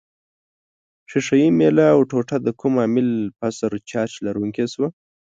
ښيښه یي میله او ټوټه د کوم عامل په اثر چارج لرونکې شوه؟